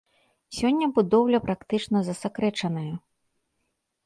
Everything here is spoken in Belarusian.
Сёння будоўля практычна засакрэчаная.